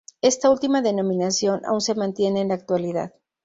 Esta última denominación aún se mantiene en la actualidad.